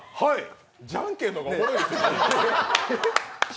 じゃんけんのがおもろいですよ。